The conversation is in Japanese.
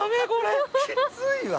きついわ！